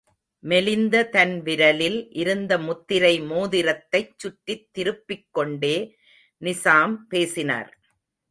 மெலிந்த தன் விரலில் இருந்த முத்திரை மோதிரத்தைச் சுற்றித் திருப்பிக்கொண்டே நிசாம் பேசினார்.